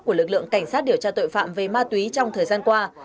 của lực lượng cảnh sát điều tra tội phạm về ma túy trong thời gian qua